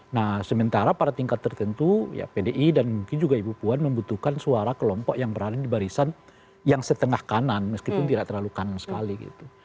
nah sementara pada tingkat tertentu ya pdi dan mungkin juga ibu puan membutuhkan suara kelompok yang berada di barisan yang setengah kanan meskipun tidak terlalu kanan sekali gitu